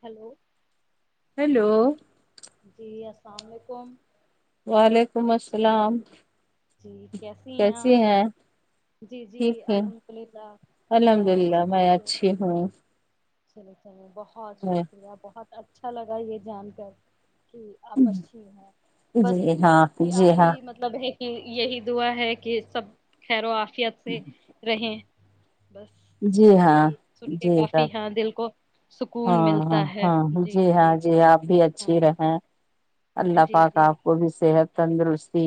Hello hello جی السلام علیکم وعلیکم السلام جی کیسی ہیں آپ جی جی ٹھیک ہے الحمد للہ الحمد میں للہ میں ٹھ ہ اچھی ہوں چر چر [unintelligible] بہت میں شکریہ بہت اچھا اچھا لگا یہ جان کر کہ آپ اچھی ہیں بس جی ہاں یہ آ جی ہاں ہی مطلب ایک [unintelligible] یہی دعا ہے کہ سب خیر و [unintelligible] ت سے رہے [unintelligible] جی ہاں جی سب [unintelligible] دال کو [unintelligible] سکون ہاں ہاں ملتا ہے ہاں جی ہاں جی آپ بھی اچھی ہاں رہے اللہ جی پاکا جی آپ کو بھی سے بےحد تندرستی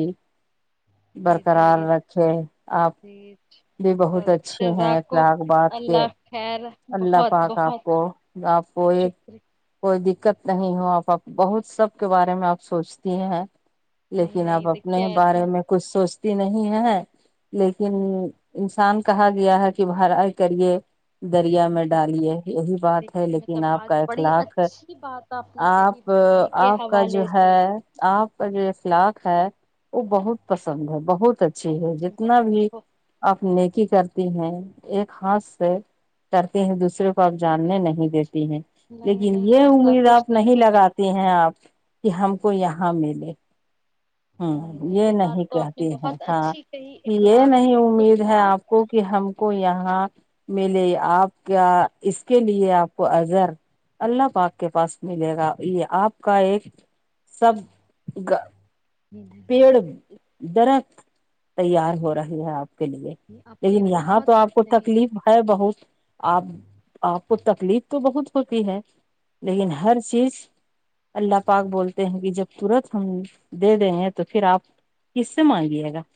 [unintelligible] جی برقرار جی رکھے آپ جی بھی بہت اچھے ہیں جزاک کو اخلاق باد کے اللہ خیر اللہ بہت پاک بہت آپ کو آپ کو ایک شکریہ کوئی دقت نہیں ہو آپپ بہت سب کے بارے میں آپ سوچتی ہیں نہیں لیکن نہیں اب اپنے دیکھیے بارے ایسا میں کچھ سوچتی نہیں ہے [inaudible] لیکن انسان کہا گیا ہے کہ بر آائی کریے دریا میں نہیں، ڈالیے یہی بات ہے دیکھیے لیکن مطلب آپ آج کا بڑی اخلاق اچھی بات نے کہی آپ بھلائی کے آپ کا جو حوالے ہے سے آپ کا جو اخلاق ہے وہ بہت پسند ہے بہت اچ [unintelligible] اچھی ہے جتنا بہت بھی بہت [unintelligible] نیکی کرتی ہیں ایک ہاتھ سے ڈرتی ہیں دوسرے کو اب جاننے نہیں دی [unintelligible] نہیں لیکن نہیں یہ ایسا امید کچھ آپ نہیں ہے. لگاتے ہیں آپ کہ ہم کو یہاں ملے [unintelligible] نہیں یہ نہیں بات تو آپ نے کہتی ہیں بہت ہاں اچھی کہی یہ اخلاق نہیں امید ہے اخلاق آپ کو کہ ہم کو یہاں ملے آپ کا اس کے لیے آپ کو اظہر اللہ پاک کے پاس ملے گا یہ آپ کا ایک سب [unintelligible] نہیں پیڑ درک [unintelligible] تیار ہو رہی ہے آپ [unintelligible] کے لیے نہیں آپ نے لیکن یہاں بہت تو آپ کو نہیں تکلیف ہے بہت [unintelligible] آپ آپ کو تکلیف تو بہت ہوتی ہے لیکن ہر چیز اللہ پاک بولتے ہیں کہ جب ترت ہم دے دیں ہیں تو پھر آپ کس سے مانگیے گا [unintelligible]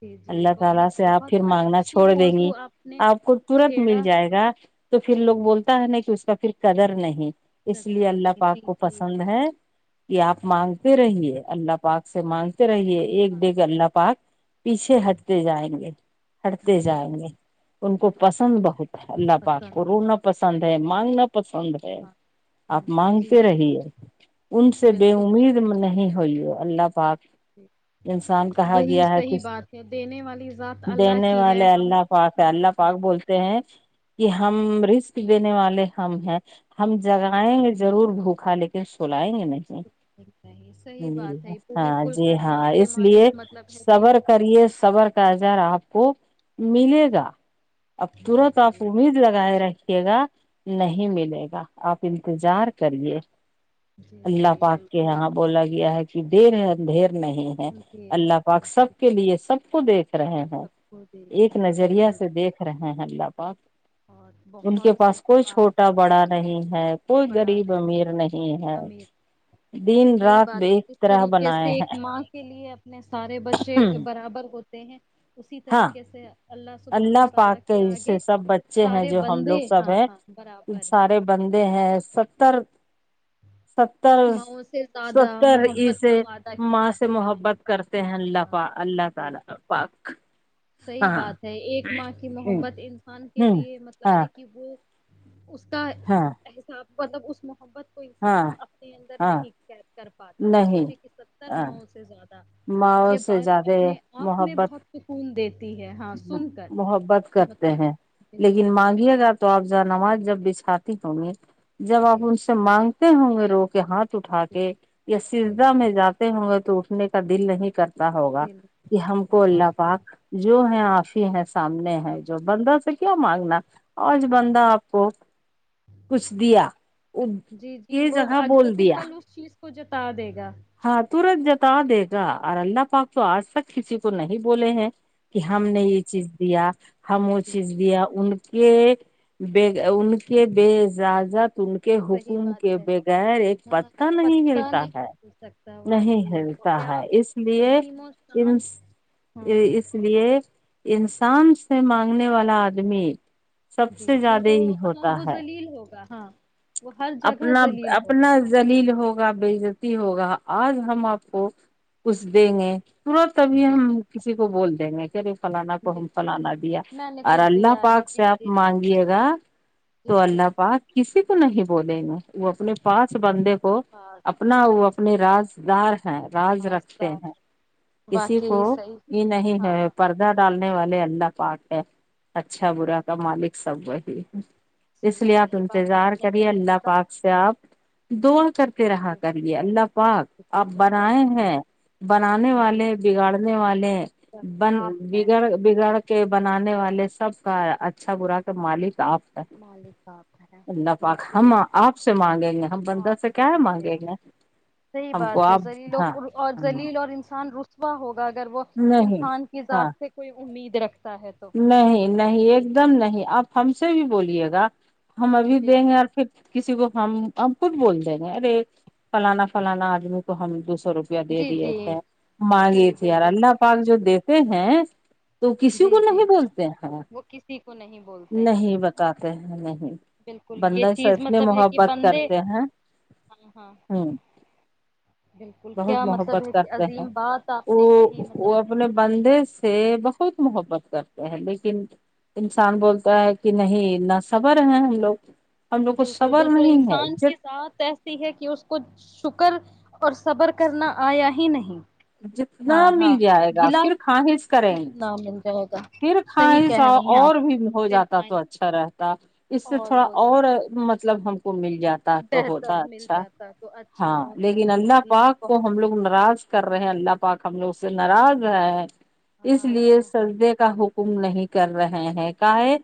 جی جی اللہ بہت تعالی سے آپ بہت پھر مانگنا اچھی چھوڑ دیں گی موضوع نے آپ کو ترت مل چھیڑا جائے گا تو پھر لوگ بولتا ہے نا کہ اس کا پھر کدر نہیں [unintelligible] اس قدر لیے اللہ نہیں پاک تھی کو کہ پسند ہے کہ آپ مانگتے رہیے اللہ پاک سے مانگتے رہیے ایک ڈیگ اللہ پاک پیچھے ہٹتے جائیں گے ہٹتے جی جی جائیں گے [unintelligible] ان کو پسند بہت [unintelligible] اللہ پاک پسند کرو ہے نہ پسند ہے [unintelligible] مانگنا [unintelligible] پسند ہے ہاں آپ پسند ہے جی مانگتے جی رہیے ان سے بے بالکل امید نہیں ہوئی ہے [unintelligible] اللہ [unintelligible] پاک جی، [unintelligible] انسان کہا وہی گیا ہے کہ صحیح بات ہے دینے والی ذات اللہ دینے کی ہے والے ہم اللہ پاک ہے ہاں اللہ ہاں پاک بولتے ہیں کہ ہم رسک دینے والے ہم ہیں ہاں ہم ہے جگائیں بالکل گے ضرور بھوک [unintelligible] خال کے سو [unintelligible] لیں گ نہیں ج نہیں صحیح بات ہے [unintelligible] پوری ہاں کل جی کائنات ہاں کے اس مالک لیے مطلب ہے کہ صبر کرے صبر کا آظار آپ کو [unintelligible] ملے گا اب جی تورت آپ جی امید لگائے رہ [unintelligible] گا نہیں ملے گا آپ انتظار کریے [unintelligible] جی جی اللہ پاک کے بالکل یہاں بولا گیا ہے کہ د رہ ہیں بھیا [unintelligible] نہیں ہے جی اللہ پاک نہیں جی سب کے لیے سب کو دیکھ رہے ہیں سب کو دیکھ رہے ایک ہیں نظریہ بالکل سے دیکھ رہے ہیں اللہ پاک اور [unintelligible] ان بہت کے پاس صحیح کوئی بات چھوٹا آپ نے بڑا نہیں ہے کوئی پڑھا غریب نہیں امیر نہیں ہے امیر دن صحیح رات بات د ہے جس طریقے سے ایک ماں کے لیے اپنے سارے بچے ہیں برابر ہوتے ہیں اسی ہاں طریقے سے [unintelligible] اللہ پاک کے حصے سب [unintelligible] بچے ہیں جو ہم لوگ بندے سب ہاں ہیں ہاں برابر ہیں سارے بندے ہیں [unintelligible] ا ماؤں سے زیادہ ستر [unintelligible] محبت کا وعدہ کیا ہے کلام پاک میں ہاں، اللہ صحیح بات [unintelligible] ہے ایک ماں کی ہ محبت انسان کے لیے مطلب ہاں ہے کہ وہ [unintelligible] اس [unintelligible] تا ہاں حساب [unintelligible] مطلب اس محبت [unintelligible] کوئی ہاں انسان [unintelligible] ہاں نہیں کیا [unintelligible] پاتا تو نہیں سوچے کہ ستر ہاں ماہوں سے زیادہ ماں یہ سے بات زیادہ اپنے آپ میں محبت بہت سکون دیتی ہے ہاں سن کر محبت کہ کرتے مطلب ہیں بالکل لیکن بالکل مانگیے گا تو آپزا نماز جب بچھاتے کمی جب جی آپن س مانگ تے ہوں گے رو کے ہاتھ اٹھا جی کے یا جی سزا میں جی جاتے ہوں گے تو نے کا دل نہیں کرتا ہوگا کہ ہم کو بالکل اللہ واقعی پاک جو ہے آف ہی ہیں سامنے ہے جو بندہ سے کیا مانگنا آج کیا مان بندہ آپ کو کچھ دیا جی جی کی وہ جگہ اگلے بول ہی دیا پل اس چیز کو جتا دے گا ہاں تورت جتا دے گا اور اللہ پاک تو آج تک کسی کو نہیں بولے ہیں کہ ہم نے یہ چیز دیا ہم وہ چیز دیا ان کے ان کے اےجازت ت کے صحیح حکم کے بات ہے بغیر ایک ہاں پتا ایک نہیں پتا ملتا نہیں ہے ہو سکتا نہیں واقعی تو ہلتا ہے کیا اس لیے عظیم و شان ہاں ہاں اس لیے انسان سے مانگنے والا آدمی سب جی سے جی زیادہ وہ ہی ہاں ہوتا وہ ہے زلیل ہوگا ہاں وہ ہر جگہ اپنا ذلیل ہوگا اپنا ہاں جلیل ہوگا بےزتی ہوگا آج ہم آپ کو کھ دیں گے ترت ابھی جی ہم کسی کو بول دیں گے [unintelligible] کر فلانا کو جی ہم فلانا دیا میں نے اور کچھ اللہ دیا ہے پاک جی سے آپ جی مانگیے گا جی تو جی اللہ پاک کسی نہیں [unintelligible] بولے ن وہ اپنے پاس بندے کو اپنا وہ اپنے راج [inaudible] رج رکھتے ہیں پاسدار کسی کو واقعی صحیح یہ نہیں ہاں ہے ہاں پردہ ڈالنے والے اللہ پٹ ہے اچھا برا کا مالک سب وہی اس صحیح لیے آپ صحیح بات انتظار آپ نے کر کہی اللہ مطلب پاک سے آپ دعا کرتے رہا کر لے اللہ پاک آپ بالکل بالکل بنائے ہیں بنانے جی والے بگاڑنے والے بن آپ ہیں بگڑ بگڑ کے [unintelligible] بنانے والے سب کا اچھا برا کر مالک آپ [unintelligible] مالک بات ہے اللہ ہم آپ سے مانگیں گے ہم بندہ آپ سے کیا ہے مانگے مانگیں گا گے صحیح ہم کو بات ہے آپ ہاں ہ [unintelligible] واہو [unintelligible] اگر وہ انسان کی ہاں ذات سے کوئی امید [unintelligible] رکھ [unintelligible] نہیں نہیں ایک دم نہیں آپ ہم سے بھی بول لے گا [unintelligible] ہم ابھی جی دیں گے پھر کسی کو ہم ہم خود بول دیں گے ارے فلانا فلانا آدمی کو ہم دوسر [unintelligible] و روپیہ دے جی دیے جی تھے مانگے جی تھے یار بالکل اللہ بالکل پاک جو دیکھ [unintelligible] تو ہے [unintelligible] تو کسی [unintelligible] جی نہیں جی بولتے ہیں وہ کسی کو نہیں بولتے ہیں نہیں بتاتے ہیں نہیں بالکل یہ بندے س چیز اتنی مطلب ہے کہ محبت بندے کرتے ہیں ہاں ہاں ہ بالکل بہت کیا مطلب محبت ہے کہ کرتے ہیں عظیم بات آپ نے وہ کہی مطلب وہ اپنے بندے سے بہت [unintelligible] ہوبا [unintelligible] کرتے ہیں لیکن انسان بولتا ہے کہ نہیںنا صبر ہیں ہم لوگ ہم لوگ کو بالکل صبر بالکل نہیں ہے انسان کی جت ذات ایسی ہے کہ اس کو شک کر اور صبر کرنا آیا ہی نہیں [unintelligible] ہاں جتنا ہاں مل جائے گا گلا پھر خاہش کریں جتنا مل جائے گا پھر صحیح کھیں کہہ سا رہی ہیں آپ اور بھی ہو پھر جاتا کھائیں تو اچھا رہ اس سے اور تھوڑا ہو اور جاتا مطلب ہم [unintelligible] کو م [unintelligible] جاتا تو ہوتا بہتر مل اچھا جاتا تو اچھا ہاں ہوتا لیکن جی اللہ جی پاک بہت کو ہم لوگ ناراض کر رہے ہیں اللہ پاک [unintelligible] پاک ہم لوگ سے ناراض ہے [unintelligible] اس ناراض لیے ہے سردے کا [unintelligible] حکم نہیں کر رہے ہیں کا ہے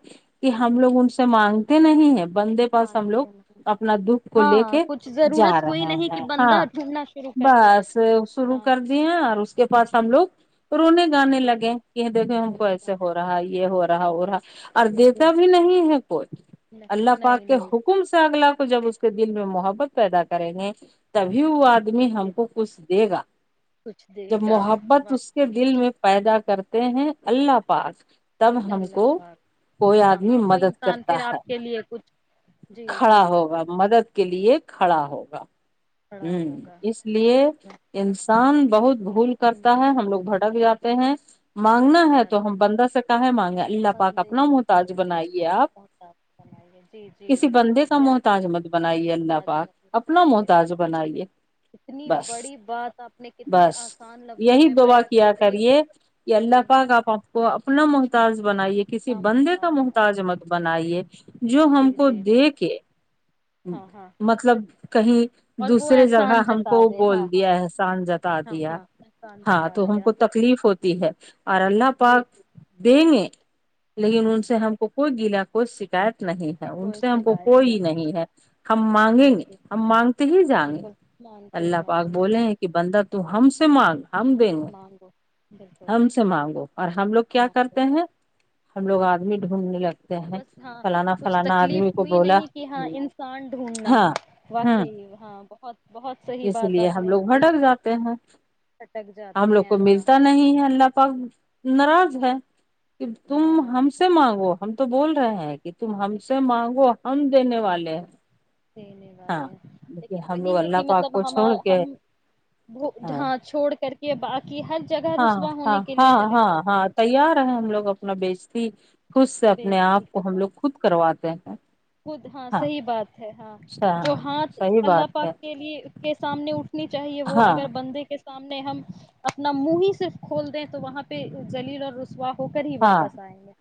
کہ ہم لوگ ان سے مانگتے نہیں ہیں [unintelligible] بندے پس ہم لوگ مانتے نہیں اپنا دکھ کو لے ہاں کے کچھ جا ضرورت ہوئی رہے نہیں کہ ہیں ہاں بندہ ڈھونڈنا شروع کرتے ہیں بس شرو ہاں کر دیے اور اس [unintelligible] اس کے پاس ہم لوگ [unintelligible] پرونے گانے ہاں لگے کہ دھ ہوں سونے گے سے ہو رہا گانے یہ ہو رہا وہ رہا اور جی جی دیتا بھی نہیں ہے کوئی نہیں اللہ نہیں پاک کے نہیں حکم سے اگلا کو جب اس کے دل میں محبت پیدا کریں گے تبھی وہ آد [unintelligible] می ہم کو کچھ دے گا کچھ دے جب گا محبت اس کے باقی دل میں پیدا کر [unintelligible] کرتے ہیں اللہ پاک تب ہم اللہ کو پاک کوئی ہاں آدمی ہاں وہ مدد انسان کرتا پھر ہے آپ کے لیے کچھ جی کھڑا جی ہوگا مدد کے لیے کھڑا ہوگا کھڑا ہوں ہوگا اس لیے انس کام بہت بھول کرتا ہے انسان ہم لوگ بھٹک جات بحث مانگنا تھک ہے تو جاتے ہم بندہ سے کہ ہے مانگے اللہ پاک بندے اپنا محتاج بنائیے آپ بہت بنائی ہے جی جی کسی بندے کا کیا محتاج مت بنائیے اللہ بہت پاک لفظ اپنا بنائی ہے محتاج بنائیے اتنی بس بڑی بات آپ نے کتنے بس آسان لفظوں یہی میں دعا بیاں کیا کر دی ہے کریے کی اللہ جی اللہ پاک اپ ہم کو اپنا محتاج بنائیے کسی نہ بندے کا بنائے محتاج مت بنائیے جو ہم جی کو جی دے کے ہاں ہاں مطلب کہیں اور وہ دوسرے جگہ احسان ہم جتا کو دے ہاں بول ہاں دیا احسان جتا ہاں دیا ہاں احسان ہاں جتا تو ہم دیا کو تکلیف ہوتی ہے اور اللہ جی پاک جی دے [unintelligible] لیکن ہوں ان ہوں سے ہم کو کوئی گیلا کوئی شکایت نہیں ہے ان کوئی سے ہم کو شکایت کوئی نہیں ہے ہم جی مانگیں گے جی ہم مانگتے ہی جائیں گے بالکل مانتے اللہ پاک جائیں گے بولے ہاں ہیں کہ بندہ تو ہم سے مانگ ہم دیں گے مانگو بالکل ہم سے مانگو اور ہم لوگ کیا مانگو کرتے ہیں ہم لوگ آدمی ڈھونڈنے لگتے ہیں بس ہاں فلانا کچھ فلانا تکلیف آدمی کو ہوئی بولا نہیں کہ ہاں انسان ڈھونڈنا ہاں ہو واقعی ہاں بہت بہت صحیح اس بات لیے آپ ہم نے لوگ کہی بھٹک جاتے ہیں اٹک ہم جاتے لوگ ہیں کو ہاں ملتا نہیں ہے اللہ پاک ناراض ہے کہ تم ہم ناراض سے مانگو ہم تو بول رہے ہیں کہ تم ہم سے مانگو ہم دینے ہاں والے ہیں دینے ہاں والے لیکن ہم لوگ وہی ہے اللہ کہ پاک مطلب کو ہم چھوڑ کے ہم ہاں چھوڑ کر کے بعد ہاں ہاں ہاں ہاں جاتے ہاں ہیں تیار ہے ہم ہاں لوگ اپنا بیجتی خود سے اپنے آپ بےزتی کو ہم کروا لوگ خود کرواتے ہیں خود ہاں صحیح بات ہے ہاں جو ہاں ہاتھ صحیح اللہ بات پاک ہے کے لیے کے سامنے اٹھنی چاہیے بو ہاں اگر بندے کے ہم نے ہم اپنا منہ ہی صرف کھول دیں تو وہاں پہ ذلیل اور رسوا ہو کر ہی ہاں واپس آئیں گے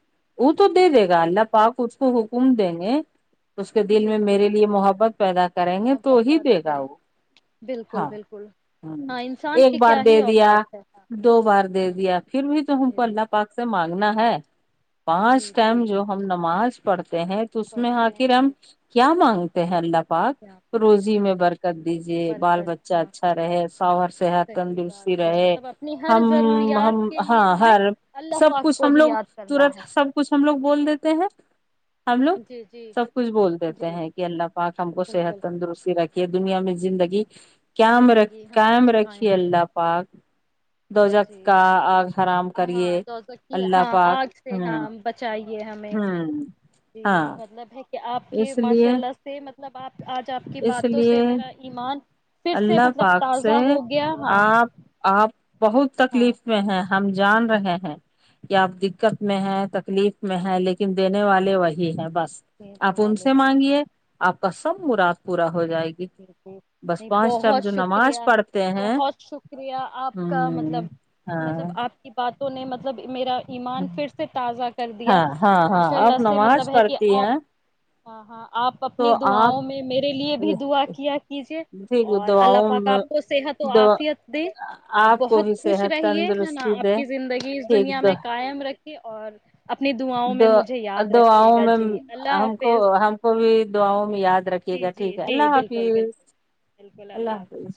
وہ تو دے دے جی گا جی اللہ پاک خود کو ہاں حکم دیں گے اس کے دل میں جی جی میرے لیے محبت پیدا کریں گے تو محبت ہی کا ادا دے گا کریں وہ بالکل ہاں بالکل ہ ہاں انسان ایک کی بار کیا ہی دے دیا اوقات ہے ہاں دو بار دے ہاں دیا پھر بھی تو ہم جی کو جی اللہ پاک سے مانگنا ہے [unintelligible] جی پانچ ٹائم جی جو ہم نماز پڑک [unintelligible] ہیں تو اس میں پڑھتے ہیں آخر ہم کیا مانگتے [unintelligible] پہ ل [unintelligible] پاک روزی میں برکت دیجے ورک بال کر بچہ ہاں ہاں اچھا رہے سر صحت صحیح تندرستی بات ہے رہے مطلب اپنی ہر ہم ضروریات ہم کے ہاں لیے ہمیں ہر اللہ [unintelligible] سب پاک کچھ کو ہم ہی لوگ یاد کرنا ہے ترت سب کچھ ہم لوگ بول دیتے ہیں [unintelligible] ہم لوگ جی جی سب کچھ بول دیتے جی ہیں کہ اللہ پاک ہم کو بالکل صحت تندرستی رکھیے دنیا میں [unintelligible] زندگی [unintelligible] قم رکھ زندگی ہاں قئم قائم رکھیے اللہ پاک دو جی جگت کا آگ حرام کریے بچ اللہ ہاں پاک آگ سے ہوں ہاں بچائی یہ ہمیں ہوں ہاں مطلب ہے [unintelligible] آپ کے اس ماشاء لیے اللہ سے ملب [unintelligible] بات [unintelligible] آج آپ کی اس باتوں لیے سے میرا ایمان پھر سے اللہ مطلب پاک سے تازہ ہو گیا ہاں آپ آپ بہت ہاں تکلیف میں ہیں ہم جان رہے ہیں کہ آپ دقت میں ہے تکلیف میں ہے لیکن دینے والے وہی ہیں بس دینے آپ ان والے سے بھائی مانگیے آپ کا سب نگ پورہ [unintelligible] جی جی نہیں بہت جو شکریہ نماز پڑھتے ہیں بہت شکریہ آپ کا ہوں مطلب ہاں مطلب آپ کی بات [unintelligible] تو نے مطلب میرا [unintelligible] ایمان پھر سے تازہ [unintelligible] ہاں ہاں ہاں ماشاء اب اللہ سے نماز مطلب ہے کہ پڑھتی آپ ہیں ہاں ہاں [unintelligible] آپ تو اپنی آپ داؤ میں میرے لیے بھی دعا [unintelligible] کیا کیجیے ٹھیک اور اللہ دعاؤں پاکا میں آپ کو صحت و دو آفیت دے آپ کو بہت بھی خوش صحت رہیے ہے نا تندرستی آپ دے کی زندگی اس ٹھیک دنیا میں قائم رکھ اور [unintelligible] دعاؤں دو میں مجھے یاد دو رکھیے آؤں گا میں جی اللہ ہم کو حافظ ہم کو بھی دوؤں یاد رکھیے جی گا ٹھیک جی ہے اللہ جی بالکل حافظ بالکل اللہ حافظ